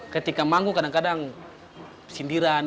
ketika manggung kadang kadang